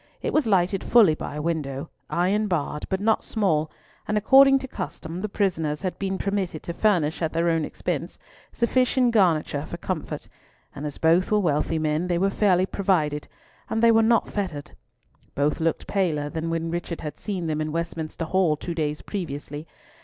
It was lighted fully by a window, iron barred, but not small, and according to custom, the prisoners had been permitted to furnish, at their own expense, sufficient garniture for comfort, and as both were wealthy men, they were fairly provided, and they were not fettered. Both looked paler than when Richard had seen them in Westminster Hall two days previously.